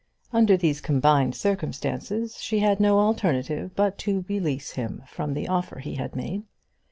Under these combined circumstances she had no alternative but to release him from the offer he had made.